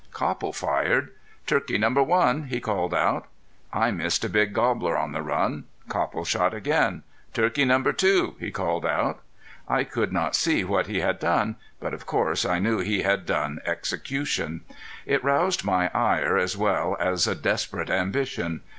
Copple fired. "Turkey number one!" he called out. I missed a big gobbler on the run. Copple shot again. "Turkey number two!" he called out. I could not see what he had done, but of course I knew he had done execution. It roused my ire as well as a desperate ambition.